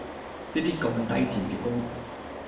呢啲咁低賤嘅工